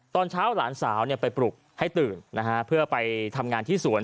ตอนเช้าหลานสาวไปปลุกให้ตื่นนะฮะเพื่อไปทำงานที่สวน